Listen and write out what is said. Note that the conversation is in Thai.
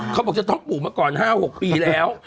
เขาบอกจะต้องปลูกมาก่อน๕๖ปีแล้ว